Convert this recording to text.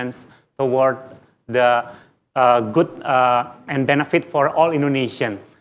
untuk memperbaiki dan memanfaatkan untuk semua indonesia